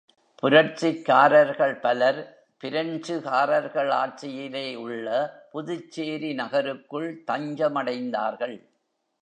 புரட்சிக்காரர்கள் பலர் பிரெஞ்சுகாரர்கள் ஆட்சியிலே உள்ள புதுச்சேரி நகருக்குள் தஞ்சமடைந்தார்கள்.